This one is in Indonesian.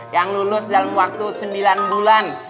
yang lulus dalam waktu sembilan bulan